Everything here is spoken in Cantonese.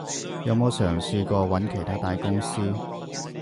有冇嘗試過揾其它大公司？